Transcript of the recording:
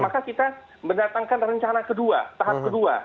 maka kita mendatangkan rencana kedua tahap kedua